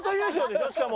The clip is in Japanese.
しかも。